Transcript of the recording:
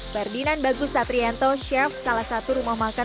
ferdinand bagus satrianto chef salah satu rumah makan